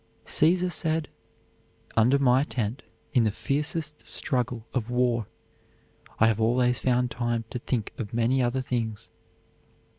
Caesar said: "Under my tent in the fiercest struggle of war I have always found time to think of many other things."